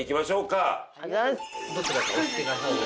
どちらかお好きな方を。